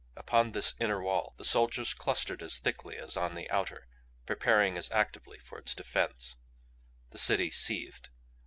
Upon this inner wall the soldiers clustered as thickly as on the outer, preparing as actively for its defense. The city seethed.